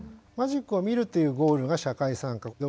マジックを見るというゴールが社会参加。